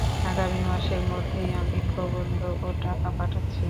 আগামী মাসের মধ্যেই আমি প্রবন্ধ ও টাকা পাঠাচ্ছি।